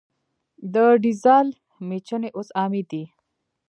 د ډیزل میچنې اوس عامې دي.